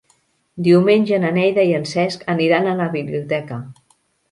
Diumenge na Neida i en Cesc aniran a la biblioteca.